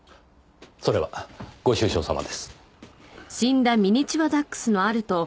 それはご愁傷さまです。